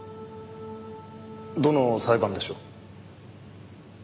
どの裁判でしょう？